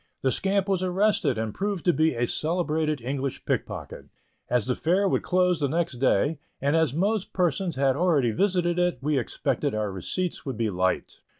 The scamp was arrested, and proved to be a celebrated English pickpocket. As the Fair would close the next day, and as most persons had already visited it, we expected our receipts would be light.